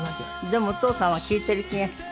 でもお父さんは聴いてる気がした？